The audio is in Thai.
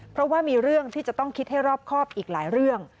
เพราะว่ามีเรื่องที่จะต้องคิดให้รอบครอบอีกหลายเรื่อง